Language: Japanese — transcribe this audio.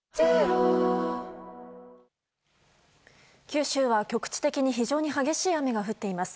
九州は局地的に非常に激しい雨が降っています。